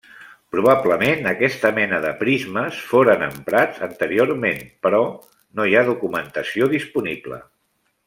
Probablement aquesta mena de prismes foren emprats anteriorment però no hi ha documentació disponible.